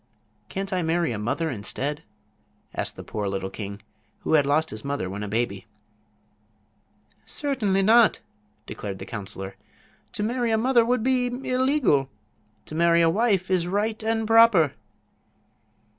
"Can't I marry a mother, instead?" asked the poor little king, who had lost his mother when a baby. "Certainly not," declared the counselor. "To marry a mother would be illegal; to marry a wife is right and proper."